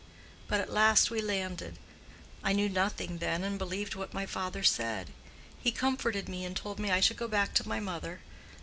But at last we landed. I knew nothing then, and believed what my father said. He comforted me, and told me I should go back to my mother.